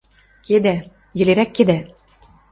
Кедӓ, йӹлерӓк кедӓ!..